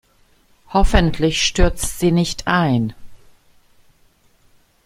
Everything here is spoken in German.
Hoffentlich stürzt sie nicht ein.